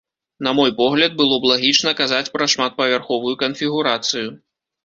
На мой погляд, было б лагічна казаць пра шматпавярховую канфігурацыю.